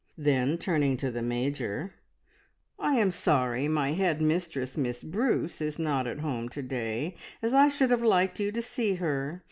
Then turning to the Major, "I am sorry my head mistress, Miss Bruce, is not at home to day, as I should have liked you to see her.